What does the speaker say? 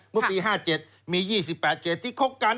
เมื่อปี๕๗มี๒๘เขตที่คบกัน